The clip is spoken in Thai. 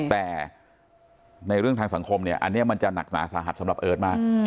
แต่ในเรื่องทางสังคมเนี่ยอันนี้มันจะหนักหนาสาหัสสำหรับเอิร์ทมาก